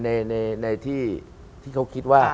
ในที่เขาคิดว่า